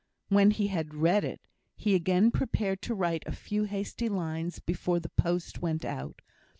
When he had read it, he again prepared to write a few hasty lines before the post went out.